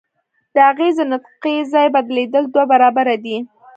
د اغیزې نقطې ځای بدلیدل دوه برابره دی.